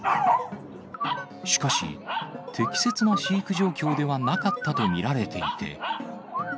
しかし、適切な飼育状況ではなかったと見られていて。